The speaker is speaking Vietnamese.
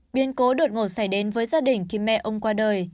biến cố đột ngột xảy đến với gia đình khi mẹ ông qua đời